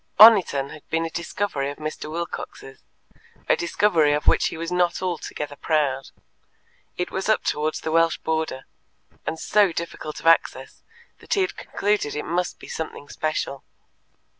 Oniton had been a discovery of Mr. Wilcox's a discovery of which he was not altogether proud. It was up towards the Welsh border, and so difficult of access that he had concluded it must be something special.